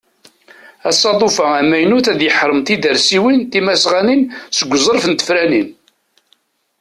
Asaḍuf-a amaynut ad yeḥrem tidersiwin timasɣanin seg uzref n tefranin.